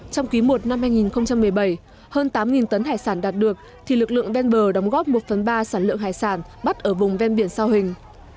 trong ký một năm hai nghìn một mươi bảy hơn tám tấn hải sản đạt được thì lực lượng ven bờ đóng góp một phần ba sản lượng hải sản bắt ở vùng ven biển sao hình